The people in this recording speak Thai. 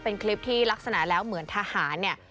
เป็นคลิปที่ลักษณะแล้วเหมือนทหารเนี่ย